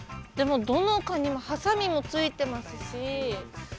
でもどのカニもはさみもついてますし。